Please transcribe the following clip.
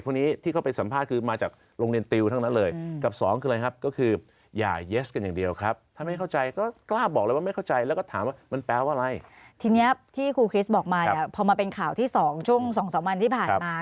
ในข่าวที่๒ช่วง๒๓วันที่ผ่านมา